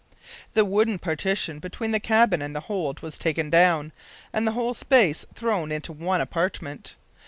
The wooden partition between the cabin and the hold was taken down, and the whole space thrown into one apartment.